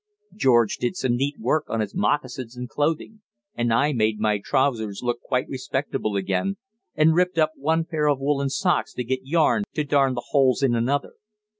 George did some neat work on his moccasins and clothing, and I made my trousers look quite respectable again, and ripped up one pair of woollen socks to get yarn to darn the holes in another.